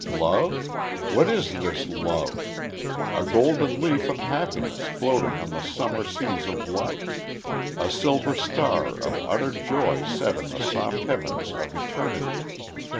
Love? What is this love? A golden leaf of happiness floating on the summer seas of life. A silver star of utter joy set in the soft heavens of eternity.